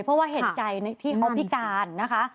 เพราะว่าเห็นใจอภิการนะคะ